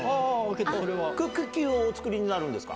クッキーをお作りになるんですか？